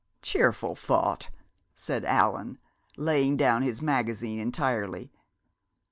"Cheerful thought!" said Allan, laying down his magazine entirely.